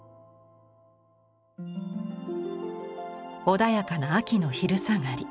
穏やかな秋の昼下がり。